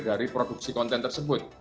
dari produksi konten tersebut